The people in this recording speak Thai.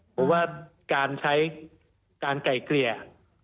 เพราะว่าการใช้การไก่เกลี่ย